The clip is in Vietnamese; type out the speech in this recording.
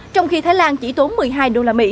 trong khi thái lan chỉ tốn một mươi hai usd